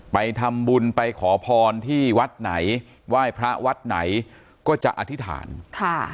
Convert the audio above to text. ไปทำบุญไปขอพรที่วัดไหนไหว้พระวัดไหนก็จะอธิษฐานค่ะ